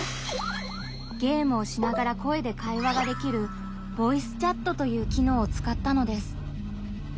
ゲームをしながら声で会話ができるボイスチャットという機能をつかったのです。